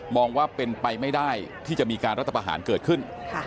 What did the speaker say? องว่าเป็นไปไม่ได้ที่จะมีการรัฐประหารเกิดขึ้น